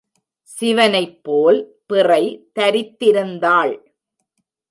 சிவனைப்போல் பிறை தரித்திருந்தாள்.